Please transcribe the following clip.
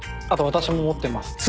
あと私も持ってます。